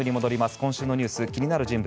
今週のニュース気になる人物